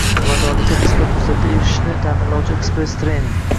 Samaradorlikka qisqa fursatda erishni ta’minlovchi ekspress trening